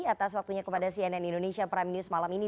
atas waktunya kepada cnn indonesia prime news malam ini